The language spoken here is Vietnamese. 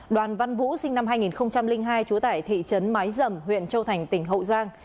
đoàn văn vũ sinh năm hai nghìn hai trú tại thị trấn mái dầm huyện châu thành tỉnh hậu giang